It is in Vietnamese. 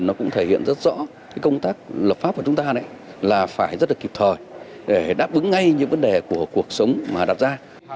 nó cũng thể hiện rất rõ công tác lập pháp của chúng ta là phải rất là kịp thời để đáp ứng ngay những vấn đề của cuộc sống mà đặt ra